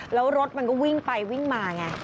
แล้วรถมันก็วิ่งไปวิ่งมาไง